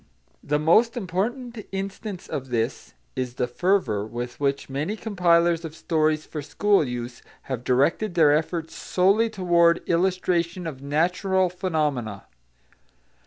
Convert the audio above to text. The most important instance of this is the fervour with which many compilers of stories for school use have directed their efforts solely toward illustration of natural phenomena.